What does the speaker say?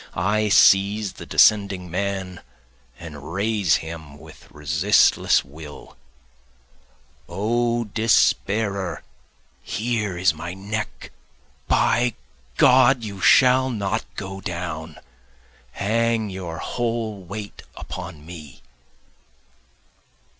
I seize the descending man and raise him with resistless will, O despairer, here is my neck, By God, you shall not go down! hang your whole weight upon me.